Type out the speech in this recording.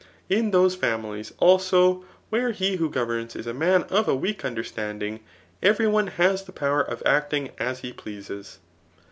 In those &imilies, also, where he who governs is a man of a weak understanding, every one has the power of acting as he pleases.